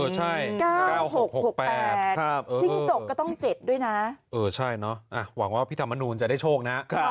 จิ้งจกก็ต้อง๗ด้วยนะหวังว่าพี่ธรรมนูลจะได้โชคนะ